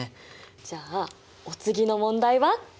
じゃあお次の問題はこれ。